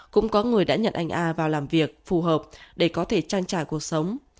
cũng có người đã nhận anh a vào làm việc phù hợp để có thể tranh trả cuộc sống